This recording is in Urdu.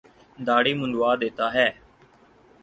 داڑھی منڈوا دیتا ہے۔